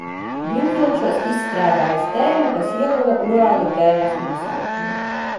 Divvilčos izstrādājis tēmu, kas ieguva Urālu tēmas nosaukumu.